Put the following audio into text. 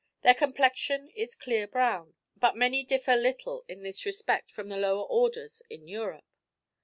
Their complexion is clear brown, but many differ little in this respect from the lower orders in Europe.